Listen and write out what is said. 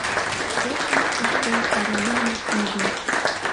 Эдвард тыште Каролинам ужо.